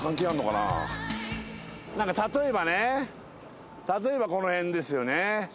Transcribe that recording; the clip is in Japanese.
なんか例えばね例えばこの辺ですよね。